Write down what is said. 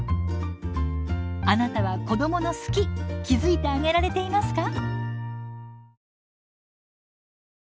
あなたは子どもの「好き」気付いてあげられていますか？